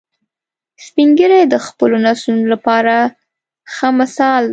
سپین ږیری د خپلو نسلونو لپاره ښه مثال دي